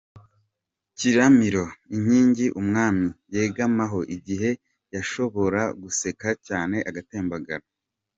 kiramiro, inkingi umwami yegamagaho igihe yashobora guseka cyane agatembagara.